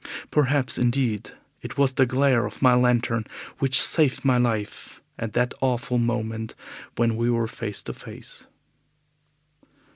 Perhaps, indeed, it was the glare of my lantern which saved my life at that awful moment when we were face to face.